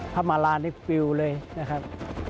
พระมาราณให้ฟิวเลยนะครับ